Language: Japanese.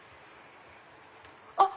あっ！